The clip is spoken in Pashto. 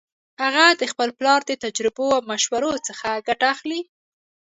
هغه د خپل پلار د تجربو او مشورو څخه ګټه اخلي